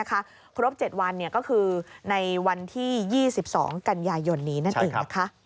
ครบ๗วันก็คือในวันที่๒๒กันยายนนี้นั่นเองนะคะ